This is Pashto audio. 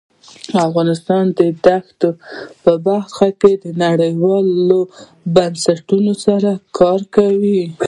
افغانستان د دښتې په برخه کې نړیوالو بنسټونو سره کار کوي.